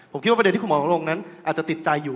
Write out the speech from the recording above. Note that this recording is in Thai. ผมคิดว่าประเด็นที่คุณหมอลงนั้นอาจจะติดใจอยู่